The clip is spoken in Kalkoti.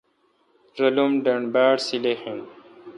رالم ڈنڈ باڑ سیلح این۔